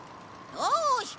よし！